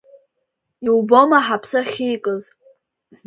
Иубома ҳаԥсы ахьикыз.